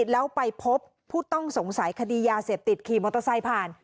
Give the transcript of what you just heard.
แล้วไปพบผู้ต้องสงสัยคดียาเสพติดขี่มอเตอร์ไซค์ผ่าน